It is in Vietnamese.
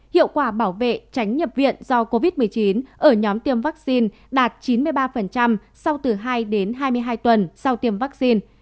hiệu quả bảo vệ tránh nhập viện do covid một mươi chín ở nhóm tiêm vaccine đạt chín mươi ba sau từ hai đến hai mươi hai tuần sau tiêm vaccine